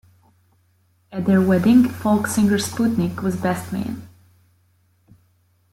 At their wedding, folk singer Sputnik was best man.